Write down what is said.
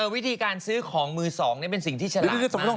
วิธีการซื้อของมือ๒เป็นสิ่งที่ฉลาด